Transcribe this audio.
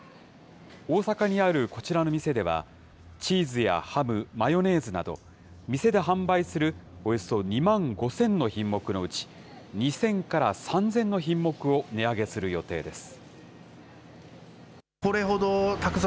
大阪にあるこちらの店では、チーズやハム、マヨネーズなど、店で販売するおよそ２万５０００の品目のうち、２０００から３０００の品目を値上げする予定です。